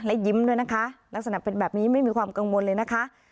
และยิ้มด้วยนะคะลักษณะเป็นแบบนี้ไม่มีความกังวลเลยนะคะ